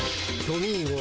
トミーゴ。